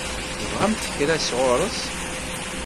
Tebɣamt kra sɣur-s?